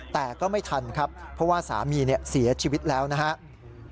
แต่ก็ไม่ทันครับเพราะว่าสามีเสียชีวิตแล้วนะครับ